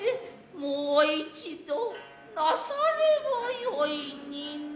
もう一度なさればよいになあ。